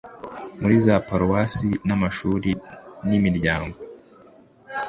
muri za paruwasi n amashuli n imiryango